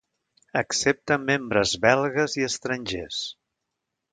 Accepta membres belgues i estrangers.